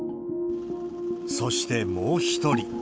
そして、もう一人。